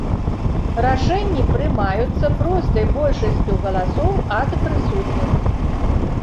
Рашэнні прымаюцца простай большасцю галасоў ад прысутных.